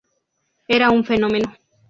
Era un fenómeno.